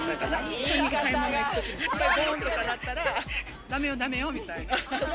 一緒に買い物行くとき、おっぱいぼーんってなったら、だめよ、だめよみたいな。